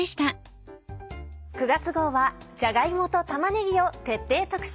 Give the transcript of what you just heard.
９月号はじゃが芋と玉ねぎを徹底特集。